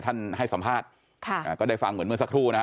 ท่านให้สัมภาษณ์ก็ได้ฟังเหมือนเมื่อสักครู่นะฮะ